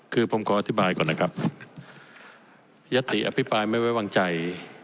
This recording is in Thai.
คือผมขออธิบายก่อนนะครับยัตติอภิปรายไม่ไว้วางใจ